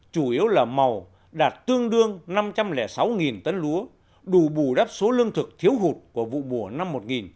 chủ yếu là màu đạt tương đương năm trăm linh sáu tấn lúa đủ bù đắp số lương thực thiếu hụt của vụ mùa năm một nghìn chín trăm bảy mươi